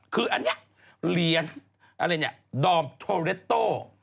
คืออันเนี่ยเหรียญอันเนี่ยดอมโทเลโต้